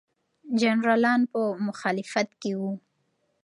جنرالان په مخالفت کې وو.